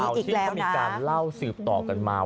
มันเป็นเรื่องราวที่ก็มีการเล่าสืบต่อกันมา